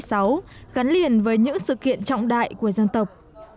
và một nghìn chín trăm bốn mươi sáu gắn liền với những sự kiện trọng đại của dân tộc